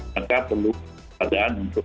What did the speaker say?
maka perlu keadaan untuk